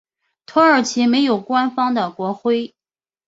土耳其没有官方的国徽。